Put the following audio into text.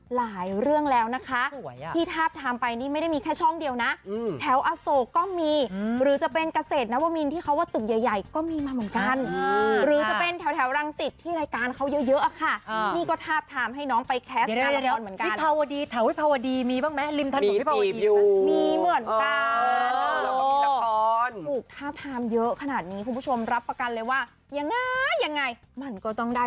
หลายเรื่องแล้วนะคะที่ทาบทามไปนี่ไม่ได้มีแค่ช่องเดียวน่ะอืมแถวอโศกก็มีหรือจะเป็นเกษตรนับวมินที่เขาว่าตึกใหญ่ใหญ่ก็มีมาเหมือนกันอืมหรือจะเป็นแถวแถวรังสิทธิ์ที่รายการเขาเยอะเยอะอะค่ะอ่านี่ก็ทาบทามให้น้องไปแคสต์อย่างเหมือนกันเดี๋ยวที่ภาวดีแถวภาวดีมีบ้างไ